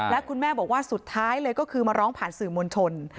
และคุณแม่บอกว่าสุดท้ายเลยก็คือมาร้องผ่านสื่อมวลชน